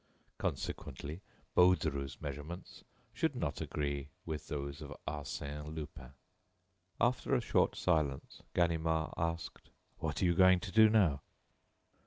Consequently, Baudru's measurements should not agree with those of Arsène Lupin." After a short silence, Ganimard asked: "What are you going to do now?"